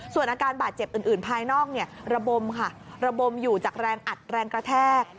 ส่วนอาการบาดเจ็บอื่นภายนอกระบมค่ะระบมอยู่จากแรงอัดแรงกระแทก